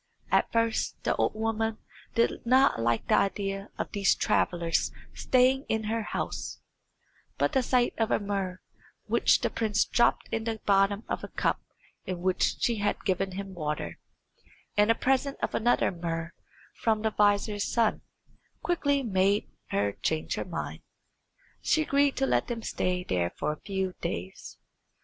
At first the old woman did not like the idea of these travellers staying in her house, but the sight of a muhr, which the prince dropped in the bottom of a cup in which she had given him water, and a present of another muhr from the vizier's son, quickly made her change her mind. She agreed to let them stay there for a few days.